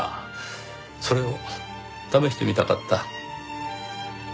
それを試してみたかった。